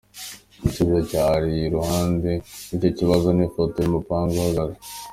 Igisubizo cyari iruhande rw’icyo kibazo ni ifoto y’umupanga uhagaze.